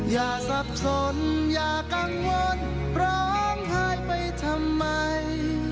อย่าสับสนอย่ากังวลร้องไห้ไปทำไม